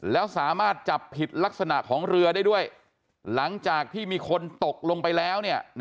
แล้วสามารถจับผิดลักษณะของเรือได้ด้วยหลังจากที่มีคนตกลงไปแล้ว